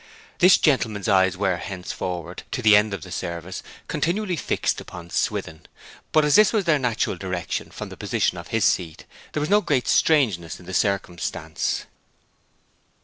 This gentleman's eyes were henceforward, to the end of the service, continually fixed upon Swithin; but as this was their natural direction, from the position of his seat, there was no great strangeness in the circumstance.